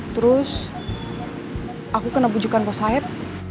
terus aku kena bujukan bos saeb